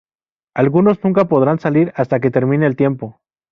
Algunos nunca podrán salir hasta que termine el tiempo.